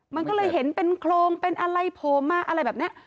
มันก็เลยเห็นเป็นโครงเป็นอะไรโผล่มาอะไรแบบนี้